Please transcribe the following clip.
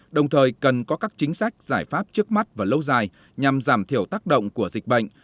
đồng thời cần có các chính sách giải pháp trước mắt và lâu dài nhằm giảm thiểu tác động của dịch bệnh